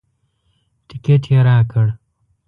ټکټ یې راکړ.